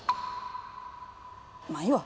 まあいいわ。